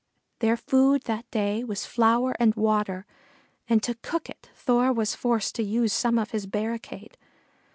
Their food that day was flour and water, and to cook it Thor was forced to use some of his barricade.